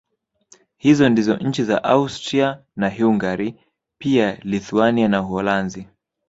Hizi ndizo nchi za Austria na Hungari pia Lithuania na Uholanzi